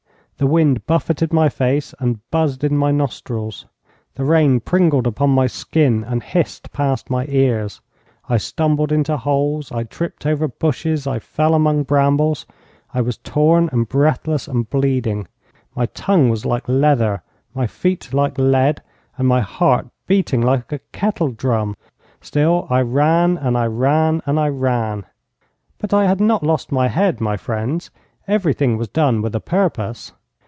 The wind buffeted my face and buzzed in my nostrils. The rain pringled upon my skin and hissed past my ears. I stumbled into holes. I tripped over bushes. I fell among brambles. I was torn and breathless and bleeding. My tongue was like leather, my feet like lead, and my heart beating like a kettle drum. Still I ran, and I ran, and I ran. But I had not lost my head, my friends. Everything was done with a purpose.